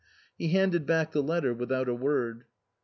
He handed back the letter without a word.